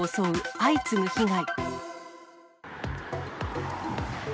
相次ぐ被害。